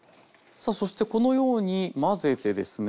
さあそしてこのように混ぜてですね